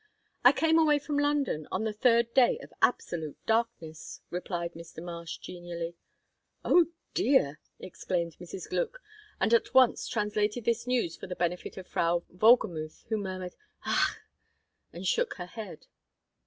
"I came away from London on the third day of absolute darkness," replied Mr. Marsh, genially. "Oh dear!" exclaimed Mrs. Gluck; and at once translated this news for the benefit of Frau Wohlgemuth, who murmured, "Ach!" and shook her head.